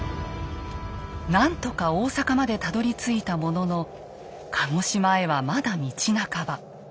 何とか大坂までたどりついたものの鹿児島へはまだ道半ば。